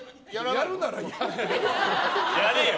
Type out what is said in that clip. やるならやれよ。